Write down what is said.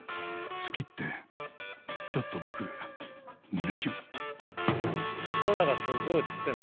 好きってちょっと僕胸キュン。